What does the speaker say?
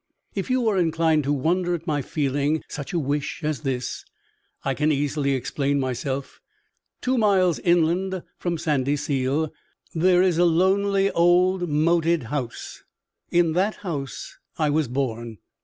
If you are inclined to wonder at my feeling such a wish as this, I can easily explain myself. Two miles inland from Sandyseal, there is a lonely old moated house. In that house I was born.